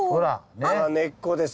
根っこです。